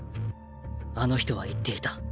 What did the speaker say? あの人は言っていた。